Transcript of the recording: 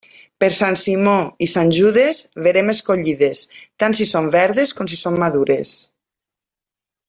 Per Sant Simó i Sant Judes, veremes collides, tant si són verdes com si són madures.